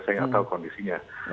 saya nggak tahu kondisinya